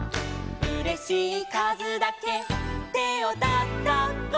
「うれしいかずだけてをたたこ」